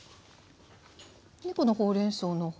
でこのほうれんそうの方に。